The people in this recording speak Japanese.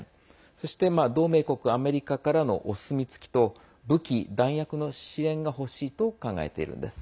そして、同盟国アメリカからのお墨付きと武器、弾薬の支援がほしいと考えているんです。